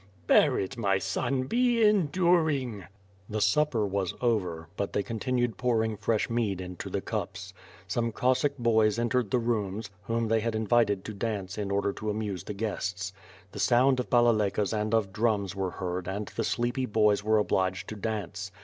"Bear it, my son! be enduring!" The supper was over — but they continued pouring fresh mead into the cups. Some Cossack boys entered the rooms, whom they had invited to dance in order to amuse the guests. The sounds of balabaykas and of drums were heard and the sleepy boys were obliged to dance.